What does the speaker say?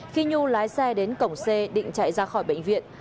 khi nhu lái xe đến cổng c định chạy ra khỏi bệnh viện